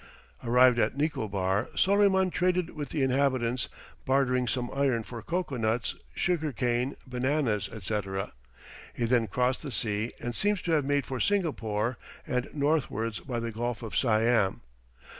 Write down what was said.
] Arrived at Nicobar, Soleyman traded with the inhabitants, bartering some iron for cocoa nuts, sugar cane, bananas, &c. he then crossed the sea, and seems to have made for Singapore, and northwards by the Gulf of Siam.